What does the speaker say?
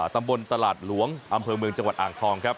ตำบลตลาดหลวงอำเภอเมืองจังหวัดอ่างทองครับ